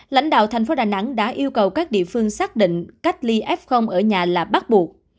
lãnh đạo thành phố đà nẵng đã yêu cầu các địa phương xác định cách ly f ở nhà là bắt buộc